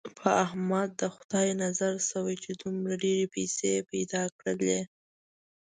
په احمد د خدای نظر شوی، چې دومره ډېرې پیسې یې پیدا کړلې.